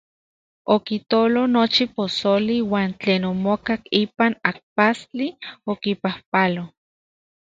Okitolo nochi posoli uan tlen omokak ipan ajpastli, okipajpalo.